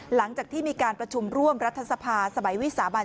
หลังจากที่มีการประชุมร่วมรัฐสภาสมัยวิสาบัน